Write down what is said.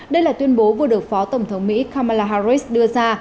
đây là tuyên bố vừa được phó tổng thống mỹ kamala harris đưa ra